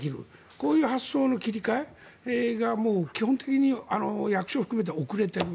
こういう発想の切り替えが基本的に役所を含めて遅れてる。